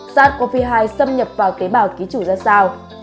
sars cov hai xâm nhập vào tế bào ký chủ ra sao